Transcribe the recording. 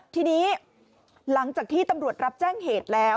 ทีนี้หลังจากที่ตำรวจรับแจ้งเหตุแล้ว